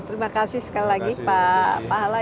terima kasih sekali lagi pak pahala